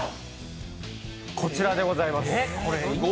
こちらでございます。